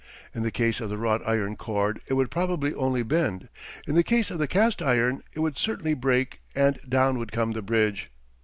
In the case of the wrought iron cord it would probably only bend; in the case of the cast iron it would certainly break and down would come the bridge.